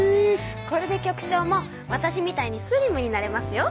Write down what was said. これで局長もわたしみたいにスリムになれますよ。